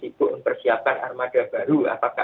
ibu persiapkan armada baru apakah